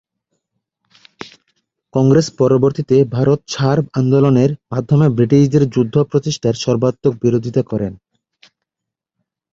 কংগ্রেস পরবর্তীতে ভারত ছাড় আন্দোলনের মাধ্যমে ব্রিটিশদের যুদ্ধ প্রচেষ্টার সর্বাত্মক বিরোধিতা করে।